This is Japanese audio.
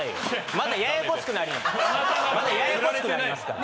またややこしくなりますから。